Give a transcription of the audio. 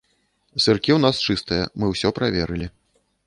Сыркі ў нас чыстыя, мы ўсё праверылі.